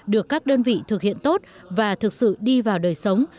được các đơn vị thực hiện tốt và thực sự đi vào đời sống